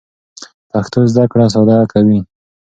پښتو زده کړه ساده کوي.